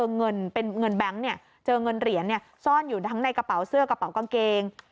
เงินแบงค์เนี่ยเงินเหรียญเนี่ยซ่อนอยู่ทั้งในกระเป๋าเสื้อกระเป๋ากางเกง